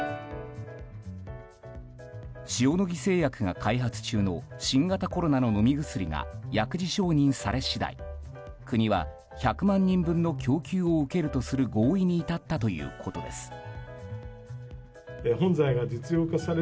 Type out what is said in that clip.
塩野義製薬が開発中の新型コロナの飲み薬が薬事承認され次第国は、１００万人分の供給を受けるとする合意に至ったということです。